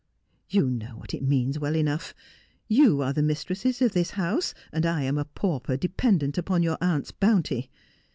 ' You know what it means well enough. You are the mistresses of this house, and I am a pauper dependent upon your aunt's bounty.